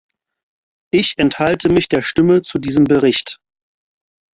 Ich enthalte mich der Stimme zu diesem Bericht.